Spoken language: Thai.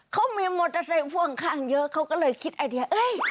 เขามีโมทาเซงฝั่งข้างเยอะเขาก็เลยคิดไอเดีย